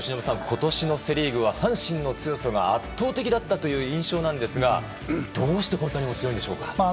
今年のセ・リーグは阪神の強さが圧倒的だったという印象ですがどうしてこんなに強いんですか？